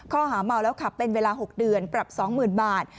ข้อหาเมาแล้วขับเป็นเวลา๖เดือนปรับ๒๐๐๐บาท